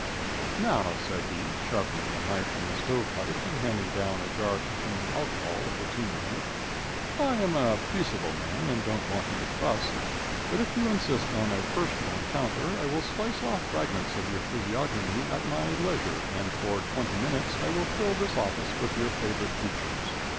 "Now," said he, sharpening the knife on the stove pipe and handing down a jar containing alcohol with a tumor in it, "I am a peaceful man and don't want any fuss; but if you insist on a personal encounter, I will slice off fragments of your physiognomy at my leisure, and for twenty minutes I will fill this office with your favorite features.